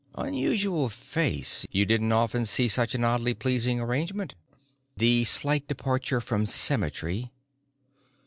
Unusual face you didn't often see such an oddly pleasing arrangement. The slight departure from symmetry....